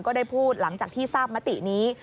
ก็ได้พูดหลังจากที่ทราบมตินี้